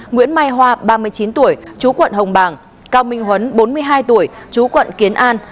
nguyễn mai hoa ba mươi chín tuổi chú quận hồng bàng cao minh huấn bốn mươi hai tuổi chú quận kiến an